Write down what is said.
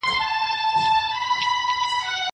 زرکي وویل پر ما باندي قیامت وو -